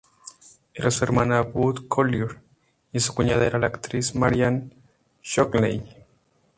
Era hermana de Bud Collyer, y su cuñada era la actriz Marian Shockley.